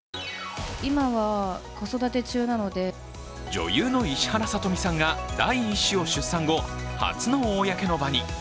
女優の石原さとみさんが第１子を出産後初の公の場に。